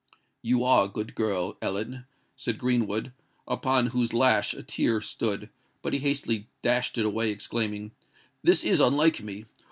"You are a good girl, Ellen," said Greenwood, upon whose lash a tear stood: but he hastily dashed it away, exclaiming, "This is unlike me!